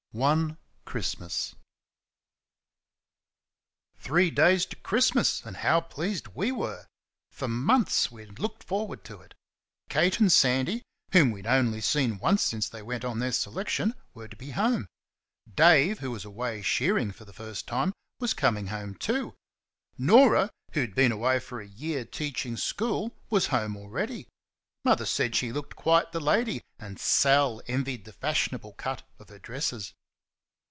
One Christmas. Three days to Christmas; and how pleased we were! For months we had looked forward to it. Kate and Sandy, whom we had only seen once since they went on their selection, were to be home. Dave, who was away shearing for the first time, was coming home too. Norah, who had been away for a year teaching school, was home already. Mother said she looked quite the lady, and Sal envied the fashionable cut of her dresses.